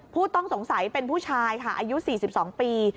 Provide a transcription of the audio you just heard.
ผู้ต้องสงสัยเป็นผู้ชายค่ะอายุ๔๒ปี